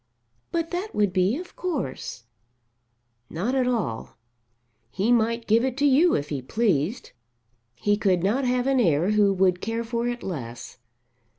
"But that would be of course." "Not at all. He might give it to you if he pleased. He could not have an heir who would care for it less.